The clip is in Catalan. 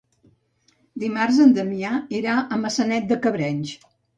Dimarts en Damià irà a Maçanet de Cabrenys.